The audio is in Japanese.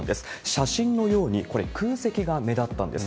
写真のように、これ、空席が目立ったんです。